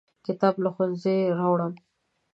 کتاب له ښوونځي راوړم.